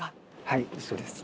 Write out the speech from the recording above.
はいそうです。